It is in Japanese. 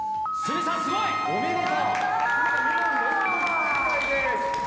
鷲見さんすごい。お見事。